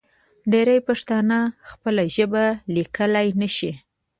ډېری پښتانه خپله ژبه لیکلی نشي.